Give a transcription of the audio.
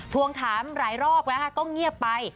ทวงถามหลายรอบแล้วก็เงียบไป